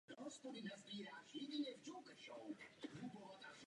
Chata není pro veřejnost dostupná.